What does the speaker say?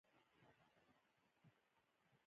انسانیت زده کړئ! کنې انسان هر څوک دئ!